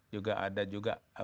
juga ada juga